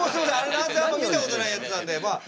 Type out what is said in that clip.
なんせあんま見たことないやつなんでまあ。